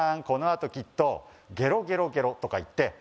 このあときっとゲロゲロゲロとか言って」